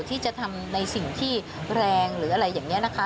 ที่จะทำในสิ่งที่แรงหรืออะไรอย่างนี้นะคะ